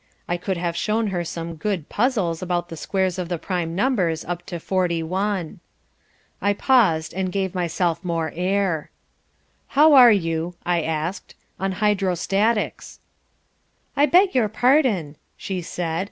I could have shown her some good puzzles about the squares of the prime numbers up to forty one. I paused and gave myself more air. "How are you," I asked, "on hydrostatics?" "I beg your pardon," she said.